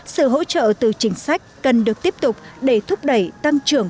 sự hỗ trợ từ chính sách cần được tiếp tục để thúc đẩy tăng trưởng